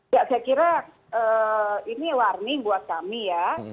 ya saya kira ini warning buat kami ya